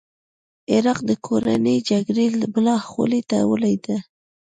عراق د کورنۍ جګړې بلا خولې ته ولوېد.